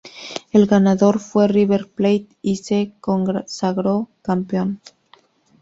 El ganador fue River Plate y se consagró campeón.